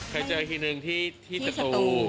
ใครเจออีกทีนึงที่สตู